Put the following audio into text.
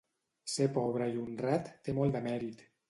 Ser pobre i honrat té molt de mèrit.